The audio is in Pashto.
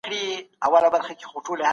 رسا صاحب ډېر ښه ناولونه لیکلي.